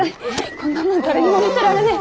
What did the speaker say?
こんなもん誰にも見せられねぇ。